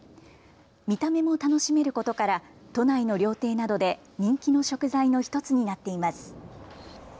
見た目も楽しめることから都内の料亭などで人気の食材の１つになっています。